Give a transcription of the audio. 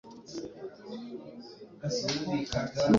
mu gukora ibitambaro byiza